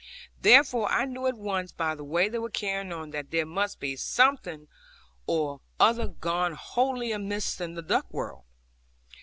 Therefore I knew at once, by the way they were carrying on, that there must be something or other gone wholly amiss in the duck world.